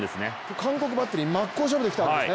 韓国バッテリー真っ向勝負できたんですね。